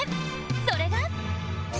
それが